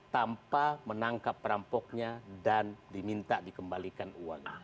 tanpa menangkap perampoknya dan diminta dikembalikan uangnya